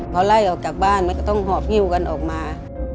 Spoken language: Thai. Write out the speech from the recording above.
พอไล่ออกจากบ้านมันก็ต้องหอบฮิ้วกันออกมา